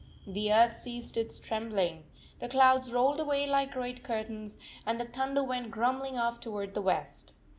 The earth ceased its trembling. The clouds rolled away like great curtains, and the thunder went grumbling off toward the west.